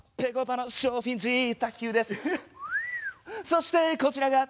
そしてこちらが。